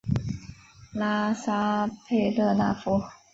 拉沙佩勒纳夫。